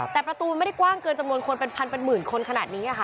แต่ประตูมันไม่ได้กว้างเกินจำนวนคนเป็นพันเป็นหมื่นคนขนาดนี้ค่ะ